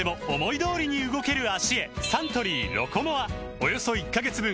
およそ１カ月分